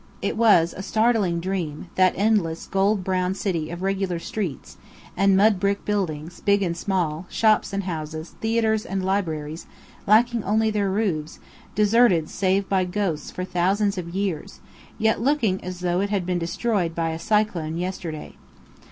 It was a startling dream, that endless gold brown city of regular streets, and mud brick buildings, big and small, shops and houses, theatres and libraries, lacking only their roofs, deserted save by ghosts for thousands of years, yet looking as though it had been destroyed by a cyclone yesterday.